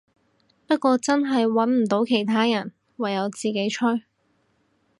不過真係穩唔到其他人，唯有自己吹